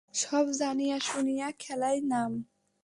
সব জানিয়া শুনিয়া খেলায় নাম।